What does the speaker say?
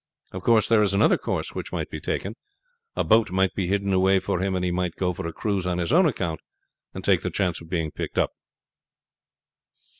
Of course there is another course which might be taken. A boat might be hidden away for him, and he might go for a cruise on his own account and take the chance of being picked up.